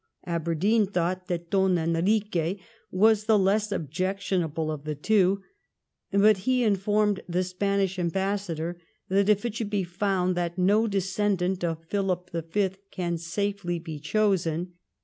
Aberdeen thought that Don Enrique was the less objectionable of the two; but he informed the Spanish ambassador that "it it should be found that no descendant of Philip V. can safely be chosen